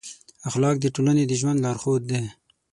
اخلاق د ټولنې د ژوند لارښود دي.